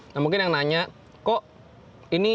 nah mungkin yang nanya kok ini